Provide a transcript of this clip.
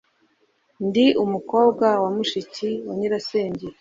Ndi umukobwa wa mushiki wa nyirasenge.